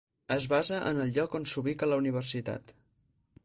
Es basa en el lloc on s'ubica la universitat.